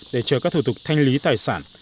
để chờ các thủ tục thanh lý tài sản